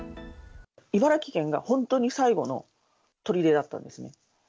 茨城県が本当に最後のとりでだったんですね。